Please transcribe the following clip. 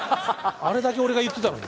あれだけ俺が言ってたのに。